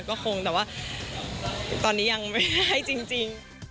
ก็คงแต่ว่าตอนนี้ยังไม่ได้ให้จริง